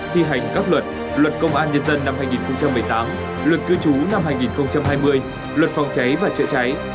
thi hành các luật luật công an nhân dân năm hai nghìn một mươi tám luật cư trú năm hai nghìn hai mươi luật phòng cháy và chữa cháy